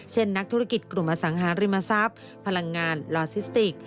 นักธุรกิจกลุ่มอสังหาริมทรัพย์พลังงานลอซิสติก